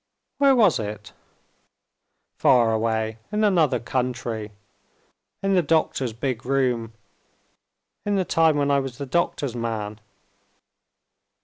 "Where was it?" "Far away in another country. In the doctor's big room. In the time when I was the doctor's man."